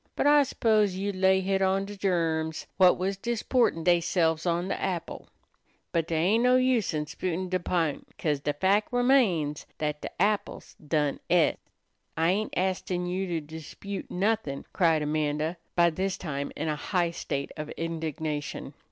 But I s'pose you'd lay hit on de germs whut was disportin' deyselves on de apple. But dey ain't no use in 'sputin' dat p'int, 'ca'se de fac' remains dat de apple's done et." "I ain't astin' you to dispute nothin'," cried Amanda, by this time in a high state of indignation.